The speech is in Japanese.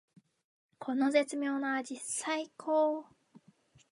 この絶妙な味さいこー！